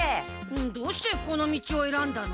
どうしてこの道をえらんだの？